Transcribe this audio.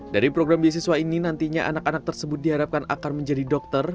dari program beasiswa ini nantinya anak anak tersebut diharapkan akan menjadi dokter